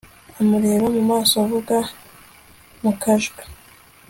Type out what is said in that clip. amureba mumaso avuga mukajwi